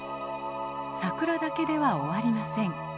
桜だけでは終わりません。